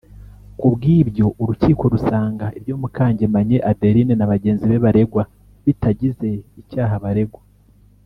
Ku bw’ibyo urukiko rusanga ibyo Mukangemanyi Adeline na bagenzi be baregwa bitagize icyaha baregwa